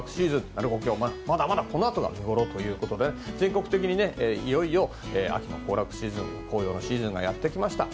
鳴子峡はまだまだこれからが見ごろということで全国的に、いよいよ秋の紅葉のシーズンがやってきました。